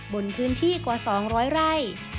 บนพื้นที่กว่า๒๐๐ไร่